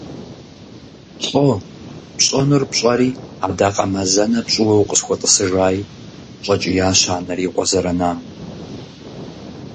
ЛӀо, пщӀэнур пщӀэри, адакъэмазэнэ пщӀыуэ укъысхуэтӀысыжаи, – щӀэкӀиящ анэр и къуэ зэранам.